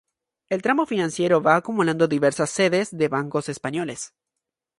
El "tramo financiero" va acumulando diversas sedes de bancos españoles.